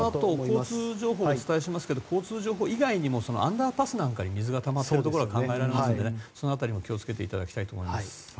このあと、交通情報をお伝えしますけれども交通情報が以外にもアンダーパスなんかに水がたまっていることが考えられますのでその辺りも気を付けていただきたいと思います。